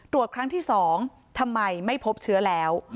ตรวจครั้งที่สองทำไมไม่พบเชื้อแล้ว